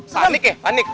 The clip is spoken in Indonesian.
panik ya panik